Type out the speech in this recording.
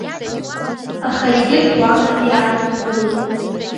Аха егьырҭ уаҟагьы иаанымгылеит.